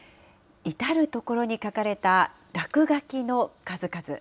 至る所にかかれた落書きの数々。